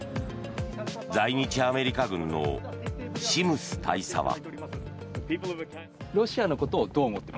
在日アメリカ軍のシムス大佐は。